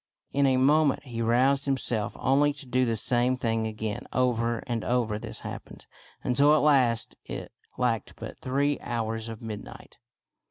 In a moment he roused himself only to do the same thing again. Over and over this happened, until at last it lacked but three hours of midnight.